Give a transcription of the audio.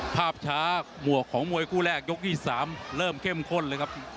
ภาพช้าหมวกของมวยคู่แรกยกที่๓เริ่มเข้มข้นเลยครับ